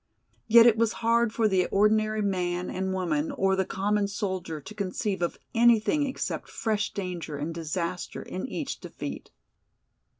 Yet it was hard for the ordinary man and woman or the common soldier to conceive of anything except fresh danger and disaster in each defeat.